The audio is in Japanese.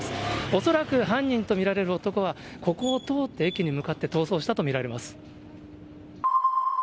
恐らく犯人と見られる男はここを通って駅に向かって逃走したと見られます。